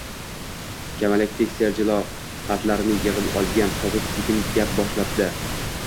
Kamalakdek serjilo patlarini yig‘ib olgan tovus sekin gap boshlabdi: